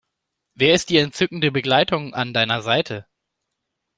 Wer ist die entzückende Begleitung an deiner Seite?